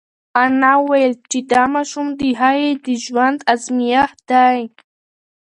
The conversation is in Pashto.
انا وویل چې دا ماشوم د هغې د ژوند ازمېښت دی.